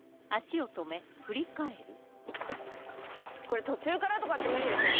これ途中からとかって無理ですよね？